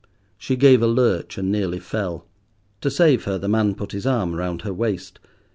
She gave a lurch, and nearly fell. To save her the man put his arm round her waist.